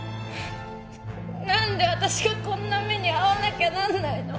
何であたしがこんな目に遭わなきゃなんないの？